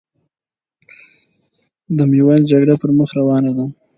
د میوند جګړه پرمخ روانه ده.